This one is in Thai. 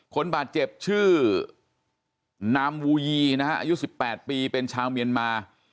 คนบาดเจ็บชื่อนามวูยีนะฮะอายุ๑๘ปีเป็นชาวเมียนมา